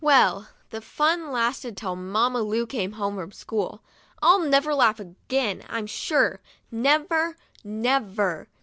Well, the fun lasted till Mamma Lu came home from school. I'll never laugh again, I'm sure, never, never.